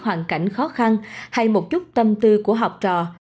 hoàn cảnh khó khăn hay một chút tâm tư của học trò